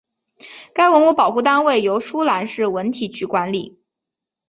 该文物保护单位由舒兰市文体局管理。